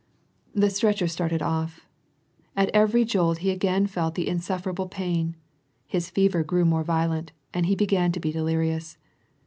The stretcher started off. At every jolt he again felt the iBsofferable pain, his fever grew more violent, and he began to be delirious.